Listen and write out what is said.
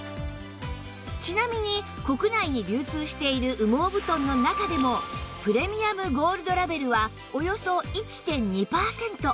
ちなみに国内に流通している羽毛布団の中でもプレミアムゴールドラベルはおよそ １．２ パーセント